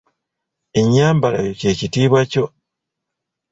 Ennyambalayo ky'ekitiibwa kyo.